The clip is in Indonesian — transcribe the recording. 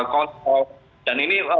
kontrol dan ini